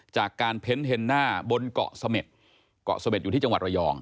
จากการเพ้นเห็นหน้าบนเกาะเสม็ดเกาะเสม็ดอยู่ที่จังหวัดระยอง